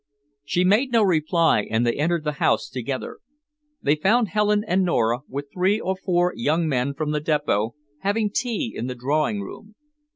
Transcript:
She made no reply, and they entered the house together. They found Helen and Nora, with three or four young men from the Depot, having tea in the drawing room.